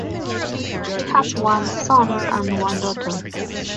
She has one son and one daughter.